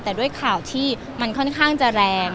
แต่ด้วยข่าวที่มันค่อนข้างจะแรง